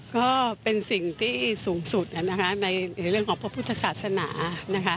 ก็เป็นสิ่งที่สูงสุดในเรื่องของพระพุทธศาสนานะคะ